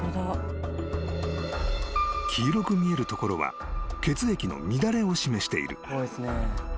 ［黄色く見えるところは血液の乱れを示している］